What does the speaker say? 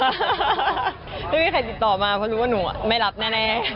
ไม่มีใครติดต่อมาเพราะรู้ว่าหนูไม่รับแน่